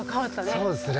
そうですね。